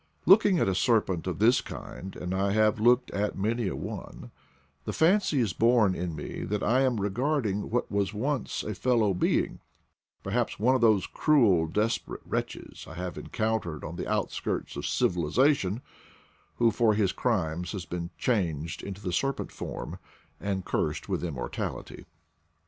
Looking at a serpent of this kind, and I have looked at many a one, the fancy is born in me that I am regarding what was once a fellow being, perhaps one of those cruel desperate wretches I have encountered on the outskirts of civilization, who for his crimes has been changed into the serpent form, and cursed with immortality.